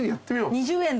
２０円だ。